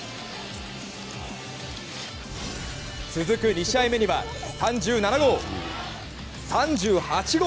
続く２試合目には３７号、３８号！